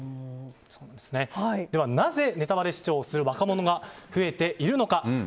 ではなぜネタバレ視聴をする若者が増えているのか。